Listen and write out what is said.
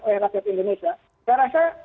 oleh rakyat indonesia saya rasa